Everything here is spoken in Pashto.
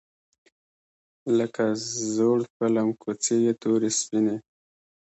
لکه زوړ فیلم کوڅې یې تورې سپینې